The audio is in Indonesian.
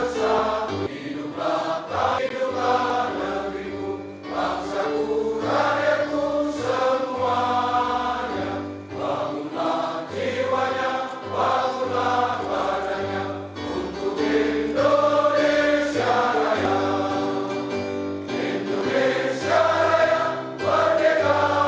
saat untuk semua semua kubayalah indonesia ku cinta